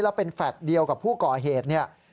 แล้วเป็นแฟลต์เดียวกับผู้ก่อเหตุเนี่ย